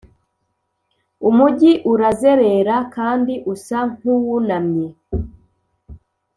umujyi urazerera, kandi usa nkuwunamye